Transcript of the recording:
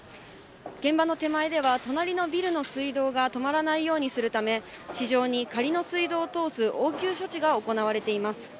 現場の手前では隣のビルの水道が止まらないようにするため、地上に仮の水道を通す応急処置が行われています。